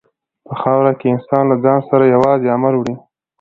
په خاوره کې انسان له ځان سره یوازې عمل وړي.